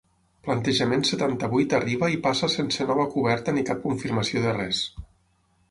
Plantejament setanta-vuit arriba i passa sense nova coberta ni cap confirmació de res.